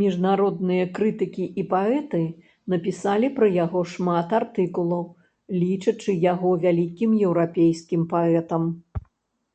Міжнародныя крытыкі і паэты напісалі пра яго шмат артыкулаў, лічачы яго вялікім еўрапейскім паэтам.